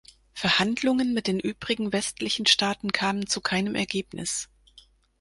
Verhandlungen mit den übrigen westlichen Staaten kamen zu keinem Ergebnis.